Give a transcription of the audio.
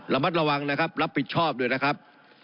ระมัดระวังนะครับรับผิดชอบด้วยนะครับ